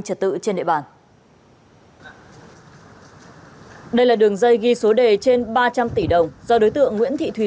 của người trên địa bàn ở ở đây là đường dây ghi số đề trên ba trăm linh tỷ đồng do đối tượng nguyễn thị thùy